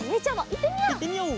いってみよう！